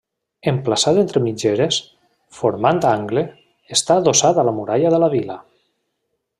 Emplaçat entre mitgeres, formant angle, està adossat a la muralla de la vila.